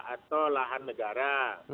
atau lahan negara